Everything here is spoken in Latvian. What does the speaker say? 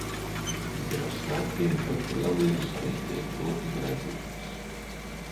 Bet ja par svētkiem, tad Lieldienas arī tiek ļoti gaidītas.